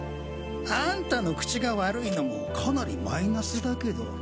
アンタの口が悪いのもかなりマイナスだけど。